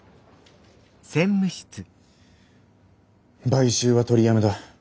買収は取りやめだ。